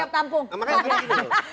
masuk bro masuk bro